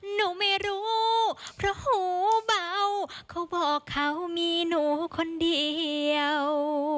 หนูไม่รู้เพราะหูเบาเขาบอกเขามีหนูคนเดียว